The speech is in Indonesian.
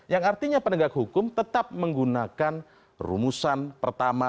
yang artinya penegak hukum tetap menggunakan rumusan pertama